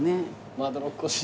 まどろっこしい。